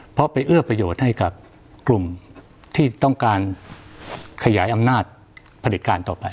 เพราะไปเอื้อประโยชน์ให้กับกลุ่มที่ต้องการขยายอำนาจผลิตการต่อไป